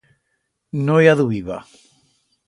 No i adubiba.